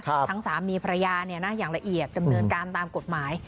ทั้งสามีภรรยาเนี่ยนะอย่างละเอียดดำเนินการตามกฎหมาย